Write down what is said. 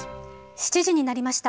７時になりました。